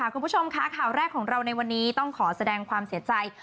คุณผู้ชมค่ะข่าวแรกของเราในวันนี้ต้องขอแสดงความเสียใจ